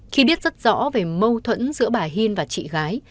khi biết rất rõ về mâu thuẫn giữa bà hin và chị gái